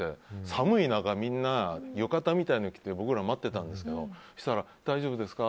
寒い中でみんな浴衣みたいなのを着て僕ら待っていたんですけどそしたら大丈夫ですか？